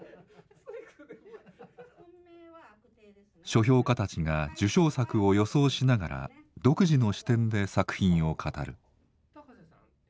書評家たちが受賞作を予想しながら独自の視点で作品を語る。